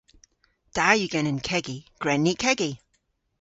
Da yw genen kegi. Gwren ni kegi!